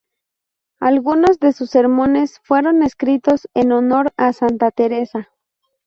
Algunos de sus sermones fueron escritos en honor a Santa Teresa.